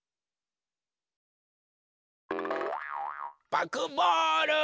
パクボール！